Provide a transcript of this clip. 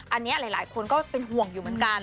อันนี้หลายคนก็เป็นห่วงอยู่เหมือนกัน